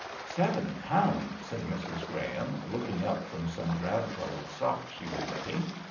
"Seven pounds," said Mrs. Graham, looking up from some drab coloured socks she was knit ting.